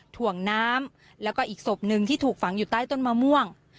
ถ่วงน้ำแล้วก็อีกศพหนึ่งที่ถูกฝังอยู่ใต้ต้นมะม่วง